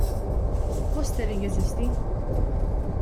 Fostering jeżisti?